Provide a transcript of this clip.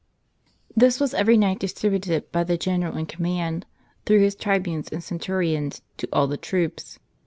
This was every night distributed by the general in command, through his tribunes and centurions, to all the troops.